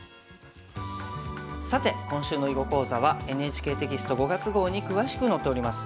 さて今週の囲碁講座はＮＨＫテキスト５月号に詳しく載っております。